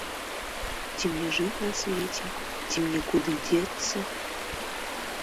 Ці мне жыць на свеце, ці мне куды дзецца?